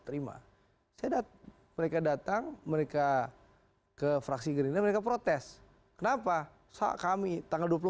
terima sedap mereka datang mereka ke fraksi gerinda protes kenapa saat kami tanggal dua puluh empat